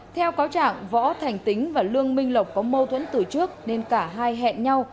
theo cáo trạng võ thành tính và lương minh lộc có mâu thuẫn từ trước nên cả hai hẹn nhau